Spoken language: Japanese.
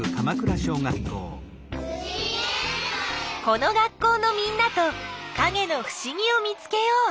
この学校のみんなとかげのふしぎを見つけよう！